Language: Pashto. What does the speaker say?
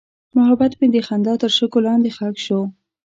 محبت مې د خندا تر شګو لاندې ښخ شو.